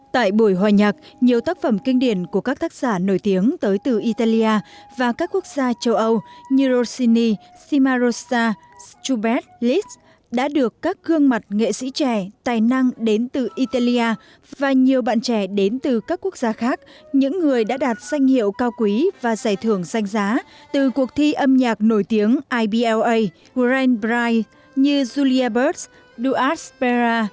tại buổi hòa nhạc nhiều tác phẩm kinh điển của các tác giả nổi tiếng tới từ italia và các quốc gia châu âu như rossini simarossa schubert liszt đã được các gương mặt nghệ sĩ trẻ tài năng đến từ italia và nhiều bạn trẻ đến từ các quốc gia khác những người đã đạt danh hiệu cao quý và giải thưởng danh giá từ cuộc thi âm nhạc nổi tiếng ibla grand prix như julia bird duarte spera